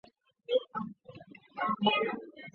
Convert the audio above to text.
原姓为薮田改成薮田。